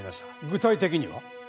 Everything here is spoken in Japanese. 具体的には？